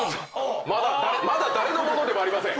まだ誰のものでもありません！